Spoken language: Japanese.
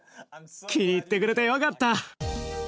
気に入ってくれてよかった！